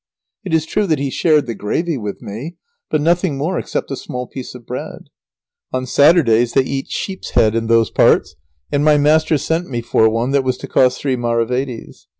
It is true that he shared the gravy with me, but nothing more except a small piece of bread. On Saturdays they eat sheep's head in those parts, and my master sent me for one that was to cost three maravedis.